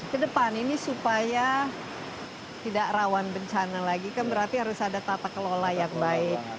kedepan ini supaya tidak rawan bencana lagi kan berarti harus ada tata kelola yang baik